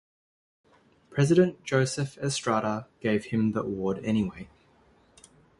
President Joseph Estrada gave him the award anyway.